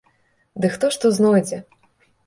Ды хто што знойдзе!